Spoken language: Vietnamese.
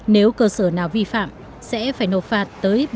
nếu cơ sở nào vi phạm sẽ phải nộp phạt